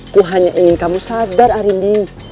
kuhanya ingin kamu sadar arindi